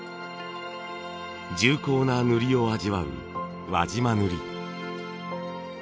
重厚な塗りを味わう輪島塗。